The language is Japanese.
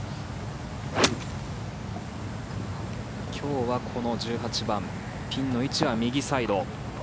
今日はこの１８番ピンの位置は右サイド。